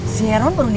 istrinya udah duluan